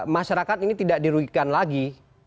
masyarakat ini tidak dirugikan lagi